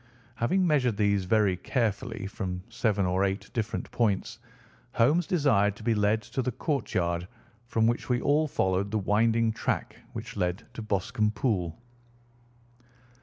Having measured these very carefully from seven or eight different points, Holmes desired to be led to the court yard, from which we all followed the winding track which led to Boscombe Pool.